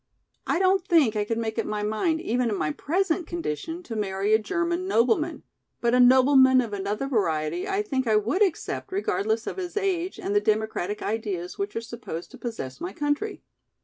"I don't think I could make up my mind even in my present condition to marry a German nobleman, but a nobleman of another variety I think I would accept regardless of his age and the democratic ideas which are supposed to possess my country.